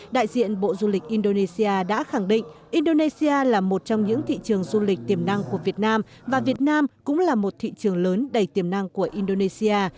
đại diện bộ du lịch indonesia đã khẳng định indonesia là một trong những thị trường du lịch tiềm năng của việt nam và việt nam cũng là một thị trường lớn đầy tiềm năng của indonesia